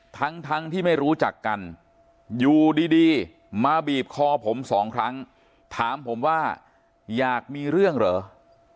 ทั้งทั้งที่ไม่รู้จักกันอยู่ดีมาบีบคอผมสองครั้งถามผมว่าอยากมีเรื่องเหรอ